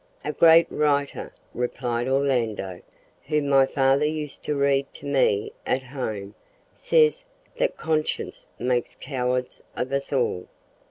"A great writer," replied Orlando, "whom my father used to read to me at home, says that `conscience makes cowards of us all.'